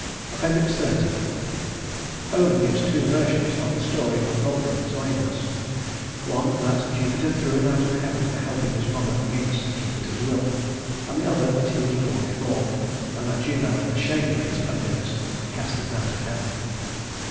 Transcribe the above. XXX Homer gives two versions of the story of Vulcan's lameness, one, that Jupiter threw him out of heaven for helping his mother against Jupiter's will; and the other, that he was born deformed, and that Juno, ashamed of his ugliness, cast him out of heaven.